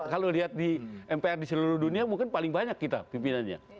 kalau lihat di mpr di seluruh dunia mungkin paling banyak kita pimpinannya